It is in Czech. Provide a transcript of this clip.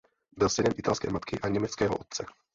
Byl synem italské matky a německého otce.